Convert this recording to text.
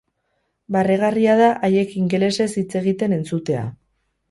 Barregarria da haiek ingelesez hitz egiten entzutea.